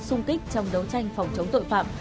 xung kích trong đấu tranh phòng chống tội phạm